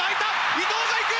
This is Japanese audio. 伊東が行く！